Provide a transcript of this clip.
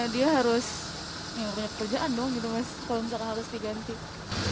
dia harus punya pekerjaan doang gitu mas kalau nggak harus diganti